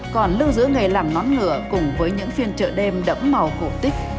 còn lưu giữ nghề làm nón ngựa cùng với những phiên trợ đêm đẫm màu cổ tích